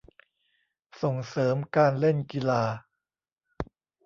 ส่งเสริมการเล่นกีฬา